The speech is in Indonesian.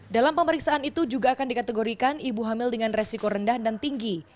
dalam pemeriksaan itu juga akan dikategorikan ibu hamil dengan resiko rendah dan tinggi